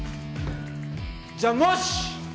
じゃあもし！